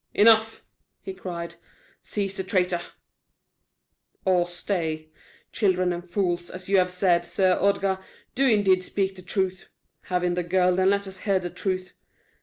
"Enough!" he cried. "Seize the traitor, or, stay; children and fools, as you have said, Sir Ordgar, do indeed speak the truth. Have in the girl and let us hear the truth.